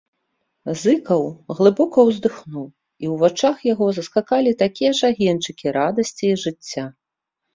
Зыкаў глыбока ўздыхнуў, і ў вачах яго заскакалі такія ж агеньчыкі радасці і жыцця.